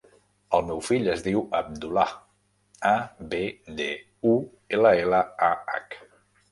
El meu fill es diu Abdullah: a, be, de, u, ela, ela, a, hac.